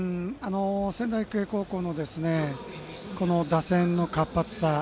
仙台育英高校の打線の活発さ。